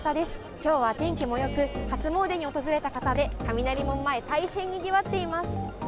きょうは天気もよく、初詣に訪れた方で、雷門前、大変にぎわっています。